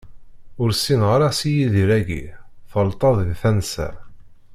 Ur ssineɣ ara Si Yidir-agi, tɣelṭeḍ di tansa.